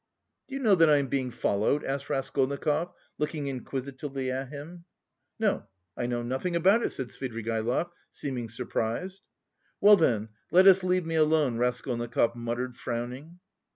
"Do you know that I am being followed?" asked Raskolnikov, looking inquisitively at him. "No, I know nothing about it," said Svidrigaïlov, seeming surprised. "Well, then, let us leave me alone," Raskolnikov muttered, frowning.